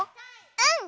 うん。